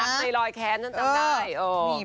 รักในรอยแค้นนั้นจำได้